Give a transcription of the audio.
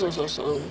うん。